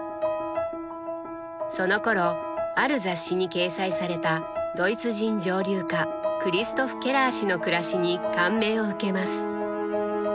そのころある雑誌に掲載されたドイツ人蒸留家クリストフ・ケラー氏の暮らしに感銘を受けます。